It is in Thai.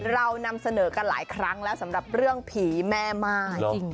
เรานำเสนอกันหลายครั้งแล้วสำหรับเรื่องผีแม่ม่าย